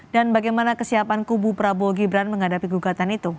dan bagaimana kesiapan kubu prabowo gibran menghadapi gugatan itu